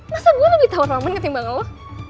masa gue lebih tau roman ketimbang lo